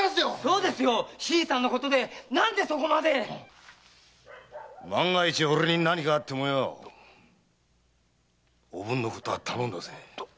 新さんのことで何でそこまで⁉万が一俺に何かあってもおぶんのことは頼んだぜ。